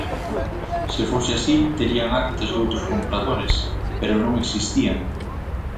Se fose así terían actas doutros compradores, pero non existían.